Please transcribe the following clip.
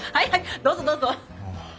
どうぞどうぞ。